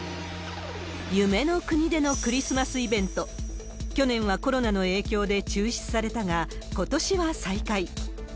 夢の国でのクリスマスイベント、去年はコロナの影響で中止されたが、ことしは再開。